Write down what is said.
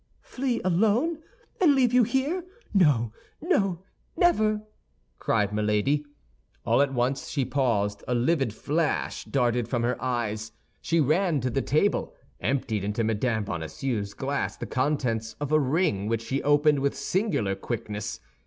"Flee alone, and leave you here? No, no, never!" cried Milady. All at once she paused, a livid flash darted from her eyes; she ran to the table, emptied into Mme. Bonacieux's glass the contents of a ring which she opened with singular quickness.